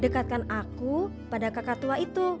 dekatkan aku pada kakak tua itu